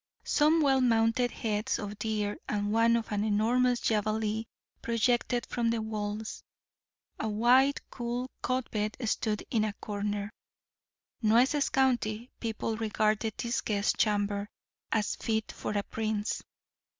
Some well mounted heads of deer and one of an enormous black javeli projected from the walls. A wide, cool cot bed stood in a corner. Nueces County people regarded this guest chamber as fit for a prince.